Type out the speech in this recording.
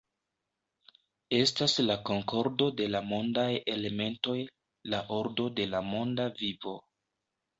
Estas la konkordo de la mondaj elementoj, la ordo de la monda vivo.